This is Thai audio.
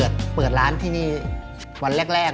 เปิดร้านที่นี่วันแรก